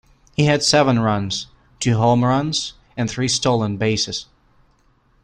He had seven runs, two home runs, and three stolen bases.